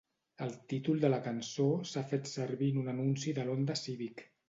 El títol de la cançó s'ha fet servir en un anunci de l'Honda Civic.